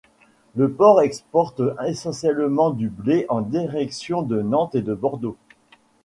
Le port exporte essentiellement du blé en direction de Nantes et de Bordeaux.